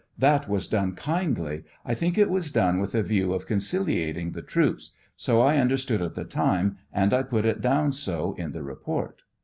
That was done kindly; I think it was done with a view of conciliating the troops; so I understood at the time, and I put it down so in tKe report.